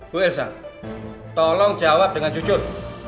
bu elsa tolong jawab dengan jujur